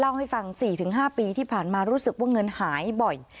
ให้๔๕ปีที่ผ่านมารู้สึกว่าเงินหายบ่อย